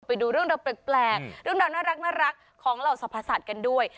ไปดูเรื่องราวแปลกเรื่องราวน่ารักของเหล่าสรรพสัตว์กันด้วย